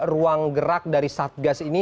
ruang gerak dari satgas ini